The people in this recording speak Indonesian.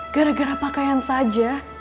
gara gara pakaian saja